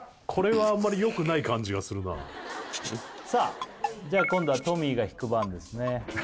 これはあんまりよくない感じがするなさあ今度はトミーが引く番ですね